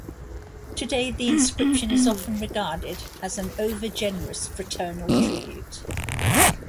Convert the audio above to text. Today the inscription is often regarded as an overgenerous fraternal tribute.